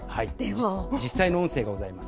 実際の音声がございます。